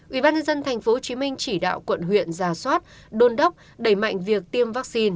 ubnd tp hcm chỉ đạo quận huyện giả soát đôn đốc đẩy mạnh việc tiêm vaccine